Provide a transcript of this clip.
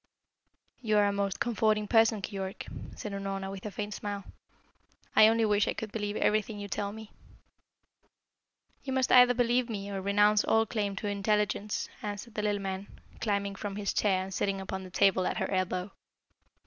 "You are a most comforting person, Keyork," said Unorna, with a faint smile. "I only wish I could believe everything you tell me." "You must either believe me or renounce all claim to intelligence," answered the little man, climbing from his chair and sitting upon the table at her elbow.